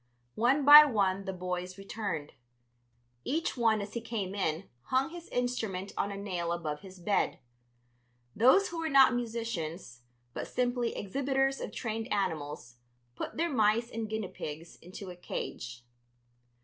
One by one the boys returned; each one as he came in hung his instrument on a nail above his bed. Those who were not musicians, but simply exhibitors of trained animals, put their mice and guinea pigs into a cage.